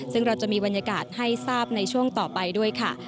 ซึ่งเราจะมีบรรยากาศให้ทราบในช่วงต่อไปด้วยค่ะ